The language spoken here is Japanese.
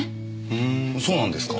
ふうんそうなんですか。